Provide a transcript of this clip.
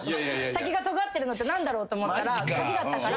先がとがってるのって何だろうと思ったら鍵だったから。